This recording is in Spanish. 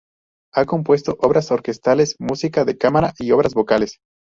Ha compuesto obras orquestales, música de cámara y obras vocales.